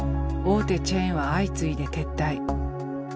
大手チェーンは相次いで撤退。